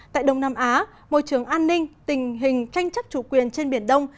tại đông nam á môi trường an ninh tình hình tranh chấp chủ quyền trên biển đông